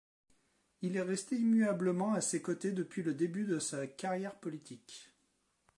Il est resté immuablement à ses côtés depuis le début de sa carrière politique.